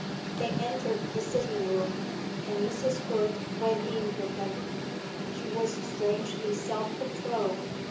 They entered the sitting room, and Mrs. Hood went in with them. She was strangely self controlled.